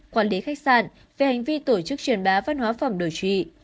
quản lý khách sạn về hành vi tổ chức truyền bá văn hóa phẩm đổi trị